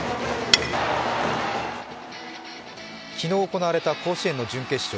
昨日行われた甲子園の準決勝。